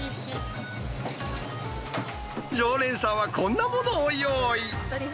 常連さんは、こんなものを用意。